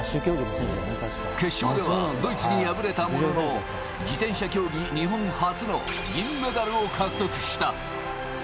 決勝ではドイツに敗れたものの、自転車競技日本初の銀メダルを獲得した。